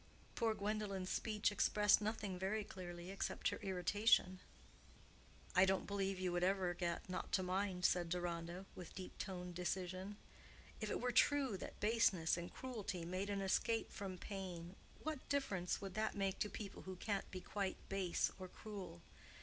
Poor Gwendolen's speech expressed nothing very clearly except her irritation. "I don't believe you would ever get not to mind," said Deronda, with deep toned decision. "If it were true that baseness and cruelty made an escape from pain, what difference would that make to people who can't be quite base or cruel?